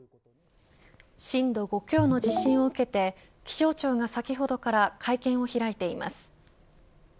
震度５強の地震を受けて気象庁が先ほどから会見を開いています。